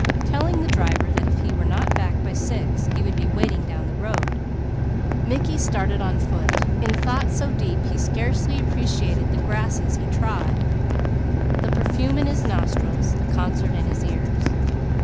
Telling the driver that if he were not back by six, he would be waiting down the road, Mickey started on foot, in thought so deep he scarcely appreciated the grasses he trod, the perfume in his nostrils, the concert in his ears.